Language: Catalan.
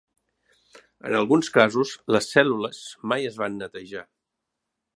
En alguns casos les cèl·lules mai es van netejar.